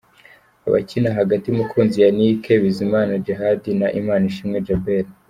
Abakina hagati: Mukunzi Yannick, Bizimana Djihad na Imanishimwe Djabel.